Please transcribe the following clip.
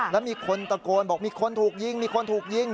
แล้วมีคนตะโกนบอกมีคนถูกยิงมีคนถูกยิง